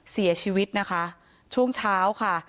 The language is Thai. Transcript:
เสียชีวิตนะคะช่วงเช้าค่ะ